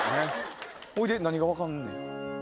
ほいで何が分かんねん？